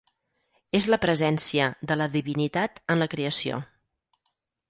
És la presència de la divinitat en la creació.